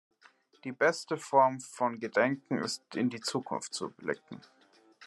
Die beste Form von Gedenken ist, in die Zukunft zu blicken.